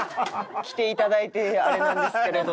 来ていただいてあれなんですけれども。